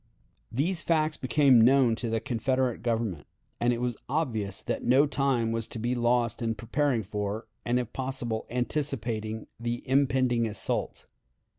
These facts became known to the Confederate Government, and it was obvious that no time was to be lost in preparing for, and if possible anticipating the impending assault.